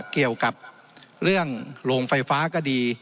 เกี่ยวกับเรื่องโรงไฟฟ้าก็ดี